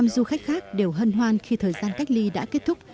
ba mươi năm du khách khác đều hân hoan khi thời gian cách ly đã kết thúc